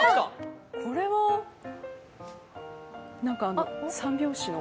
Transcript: これは、なんか、３拍子の。